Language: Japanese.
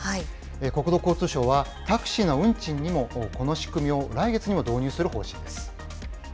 国土交通省は、タクシーの運賃にもこの仕組みを来月にも導入する方針です。